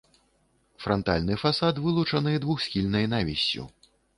Франтальны фасад вылучаны двухсхільнай навіссю.